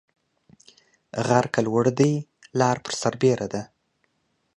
غر که لوړ دى ، لار پر سر بيره ده.